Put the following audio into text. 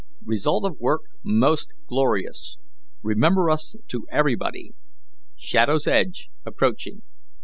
Result of work most glorious. Remember us to everybody. Shadow's edge approaching."